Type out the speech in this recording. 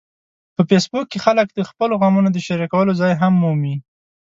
په فېسبوک کې خلک د خپلو غمونو د شریکولو ځای هم مومي